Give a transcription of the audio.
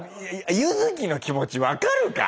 ユヅキの気持ち分かるか？